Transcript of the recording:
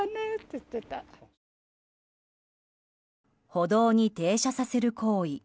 歩道に停車させる行為。